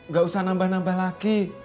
gak usah nambah nambah lagi